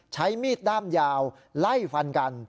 ใช้มีดด้ามยาวไล่ฟันกัน